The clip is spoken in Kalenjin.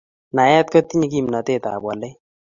Naet kotinye kimnatet ab walet